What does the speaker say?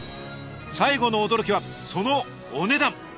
最後の驚きはそのお値段！